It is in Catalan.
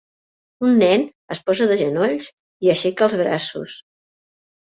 Un nen es posa de genolls i aixeca els braços